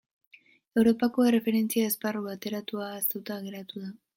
Europako Erreferentzia Esparru Bateratua ahaztuta geratu da.